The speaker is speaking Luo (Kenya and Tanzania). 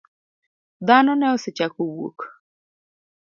Dhano ne osechako wuok.